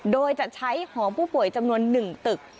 โดยจะใช้หอผู้ป่วยจำนวน๑ตึก